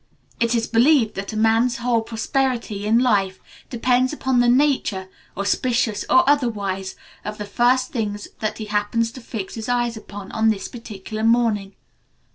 It is believed that a man's whole prosperity in life depends upon the nature, auspicious or otherwise, of the first things that he happens to fix his eyes upon on this particular morning.